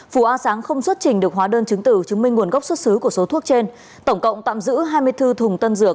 phù a sáng không xuất trình được hóa đơn chứng tử chứng minh nguồn gốc xuất xứ của số thuốc trên tổng cộng tạm giữ hai mươi bốn thùng tân dược